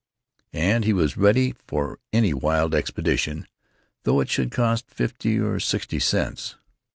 And he was ready for any wild expedition, though it should cost fifty or sixty cents.